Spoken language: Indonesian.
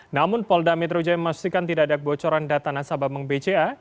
namun polda metro jaya memastikan tidak ada kebocoran data nasabah bank bca